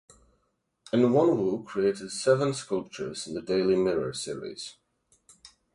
Enwonwu created seven sculptures in the "Daily Mirror" series.